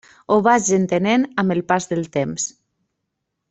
Ho vaig entenent amb el pas del temps.